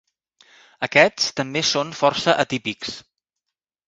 Aquests també són força atípics.